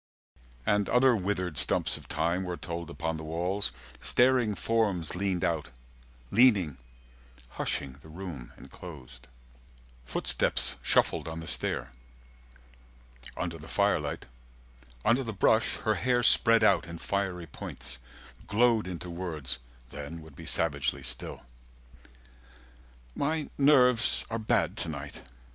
And other withered stumps of time Were told upon the walls; staring forms Leaned out, leaning, hushing the room enclosed. Footsteps shuffled on the stair. Under the firelight, under the brush, her hair Spread out in fiery points Glowed into words, then would be savagely still. 110 "My nerves are bad to night.